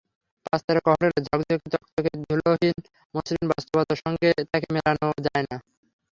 পাঁচ তারকা হোটেলের ঝকঝকে-তকতকে, ধুলোহীন মসৃণ বাস্তবতার সঙ্গে তাঁকে মেলানো যায় না।